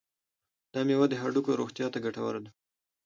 دا میوه د هډوکو روغتیا ته ګټوره ده.